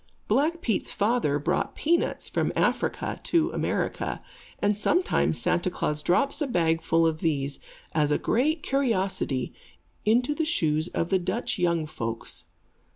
Black Pete's father brought peanuts from Africa to America, and sometimes Santa Klaas drops a bagful of these, as a great curiosity, into the shoes of the Dutch young folks.